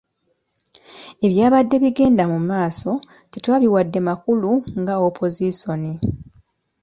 Ebyabadde bigenda mu maaso tetwabiwadde makulu nga opozisoni.